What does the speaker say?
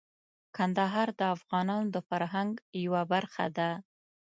کندهار د افغانانو د فرهنګ یوه برخه ده.